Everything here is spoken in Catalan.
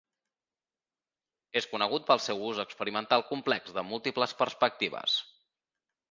És conegut pel seu ús experimental complex de múltiples perspectives.